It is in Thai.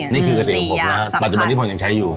นี่คือคศิษย์ผมนะปัจจุบันที่ผมยังใช้อยู่